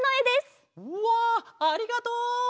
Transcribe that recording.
うわありがとう！